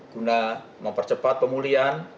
guna mempercepat pemulihan